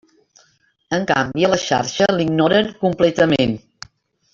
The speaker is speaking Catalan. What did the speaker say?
En canvi a la xarxa l'ignoren completament.